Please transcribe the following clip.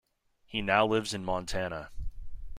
He now lives in Montana.